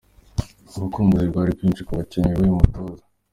Urukumbizi rwari rwinshi ku bakinnyi b’uyu mutoza